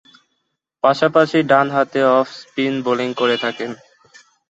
পাশাপাশি ডানহাতে off-spin bowling করে থাকেন।